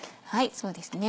そうですね。